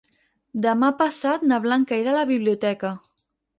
Demà passat na Blanca irà a la biblioteca.